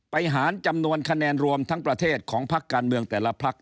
หารจำนวนคะแนนรวมทั้งประเทศของพักการเมืองแต่ละพัก